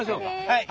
はい。